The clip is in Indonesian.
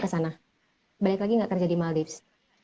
ke sana balik lagi gak kerja di maldives